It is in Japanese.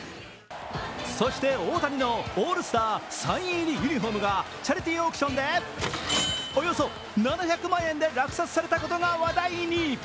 そして、大谷のオールスターサイン入りユニフォームがチャリティーオークションでおよそ７００万円で落札されたことが話題に。